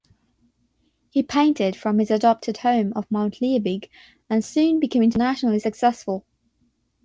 He painted from his adopted home of Mount Liebig and soon became internationally successful.